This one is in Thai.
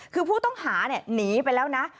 คือผู้ต้องหาหนีไปแล้วนะ